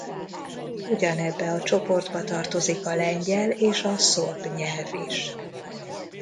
Ugyanebbe a csoportba tartozik a lengyel és a szorb nyelv is.